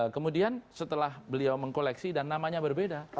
kemudian setelah beliau mengkoleksi dan namanya berbeda